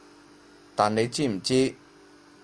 但你知唔知